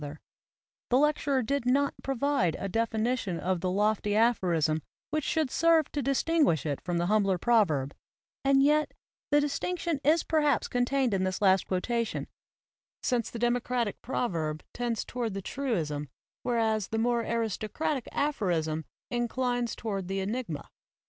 99 AMERICAN APHORISMS The lecturer did not provide a definition of the lofty aphorism which should serve to dis tinguish it from the humbler proverb; and yet the distinction is perhaps contained in this last quotation, since the democratic proverb tends toward the truism whereas the more aristo cratic aphorism inclines toward the enigma.